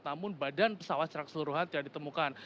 namun badan pesawat secara keseluruhan tidak ditemukan